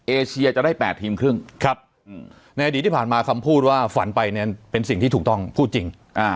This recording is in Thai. เอเชียจะได้๘ทีมครึ่งในอดีตที่ผ่านมาคำพูดว่าฝันไปเนี่ยเป็นสิ่งที่ถูกต้องพูดจริง